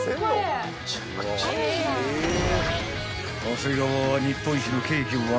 ［長谷川は］